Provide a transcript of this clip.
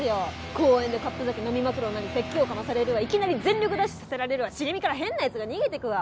公園でカップ酒飲みまくる女に説教かまされるわいきなり全力ダッシュさせられるわ茂みから変な奴が逃げていくわ。